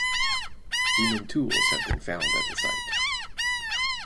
Human tools have been found at the site.